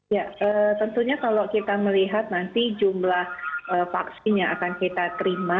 ya tentunya kalau kita melihat nanti jumlah vaksin yang akan kita terima